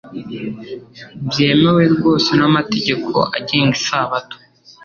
byemewe rwose n'amategeko agenga isabato,